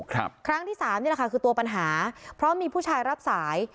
ครั้งที่สามนี่แหละค่ะคือตัวปัญหาเพราะมีผู้ชายรับสาย